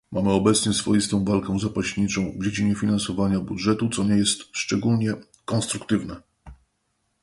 Mamy obecnie swoistą walkę zapaśniczą w dziedzinie finansowania budżetu, co nie jest szczególnie konstruktywne